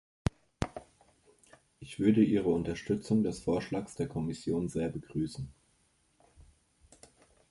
Ich würde Ihre Unterstützung des Vorschlags der Kommission sehr begrüßen.